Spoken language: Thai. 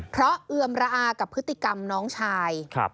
เพราะเอือมระอากับพฤติกรรมน้องชาย